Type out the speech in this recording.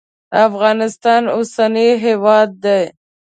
افغانستان اوسنی هیواد دی.